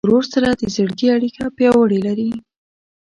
ورور سره د زړګي اړیکه پیاوړې لرې.